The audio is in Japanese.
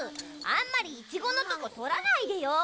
あんまりイチゴのとことらないでよ。